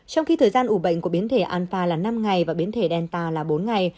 trong khi thời gian ủ bệnh của biến thể alpha là năm ngày và biến thể delta là bốn ngày